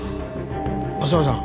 浅輪さん